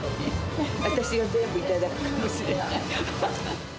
私が全部頂くかもしれない。